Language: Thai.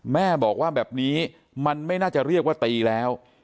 แม่บอกว่าแบบนี้มันไม่น่าจะเรียกว่าตีแล้ว